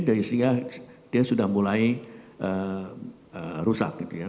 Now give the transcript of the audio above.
dari segi dia sudah mulai rusak gitu ya